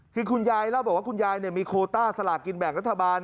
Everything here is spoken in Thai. คือคุณยายเล่าบอกว่าคุณยายมีโคต้าสลากินแบ่งรัฐบาล